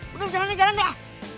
bener jalanin jalanin ya